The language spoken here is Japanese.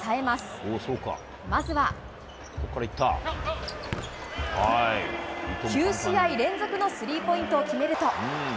まずは９試合連続のスリーポイントを決めると。